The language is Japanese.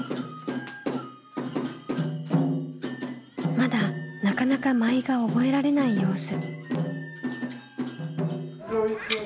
まだなかなか舞が覚えられない様子。